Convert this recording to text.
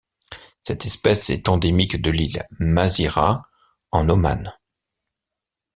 Cette espèce est endémique de l'île Masirah en Oman.